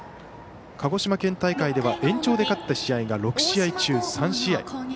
鹿児島県大会では延長で勝った試合が６試合中３試合。